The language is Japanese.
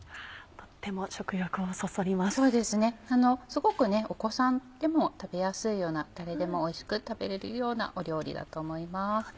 すごくお子さんでも食べやすいような誰でもおいしく食べれるような料理だと思います。